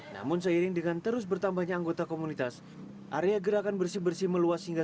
namun seiring dengan terus bertambahnya anggota komunitas area gerakan bersih bersih meluas hingga